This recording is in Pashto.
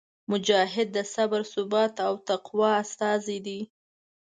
مجاهد د صبر، ثبات او تقوا استازی دی.